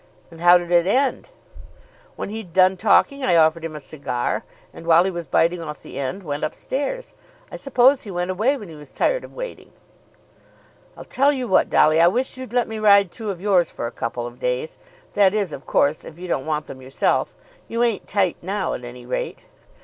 "And how did it end?" "When he'd done talking I offered him a cigar, and while he was biting off the end I went up stairs. I suppose he went away when he was tired of waiting." "I'll tell you what, Dolly; I wish you'd let me ride two of yours for a couple of days, that is, of course, if you don't want them yourself. You ain't tight now, at any rate."